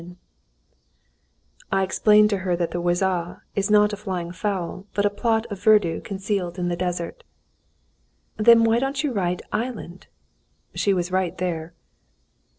] I explained to her that the "oáz" was not a flying fowl, but a plot of verdure concealed in the desert. "Then why don't you write 'island'?" She was right there.